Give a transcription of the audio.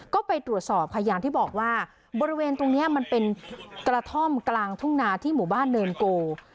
ก็ไปตรวจสอบค่ะอย่างที่บอกว่าบริเวณตรงนี้มันเป็นกระท่อมกลางทุ่งนาที่หมู่บ้านเนินโก